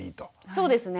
そうですね。